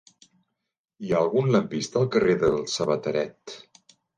Hi ha algun lampista al carrer del Sabateret?